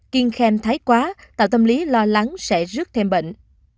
kiên khen thái quá tạo tâm lý lo lắng sẽ rước thêm bệnh